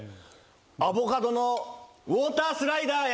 アボカドのウオータースライダーや！